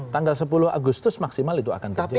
tanggal sepuluh agustus maksimal itu akan terjadi